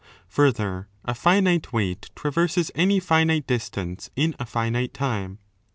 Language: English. Further,a finite weight traverses any finite distance in a finite time.